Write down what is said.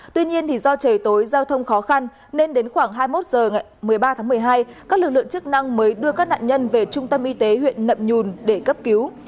tuy nhiên do trời tối giao thông khó khăn nên đến khoảng hai mươi một h ngày một mươi ba tháng một mươi hai các lực lượng chức năng mới đưa các nạn nhân về trung tâm y tế huyện nậm nhùn để cấp cứu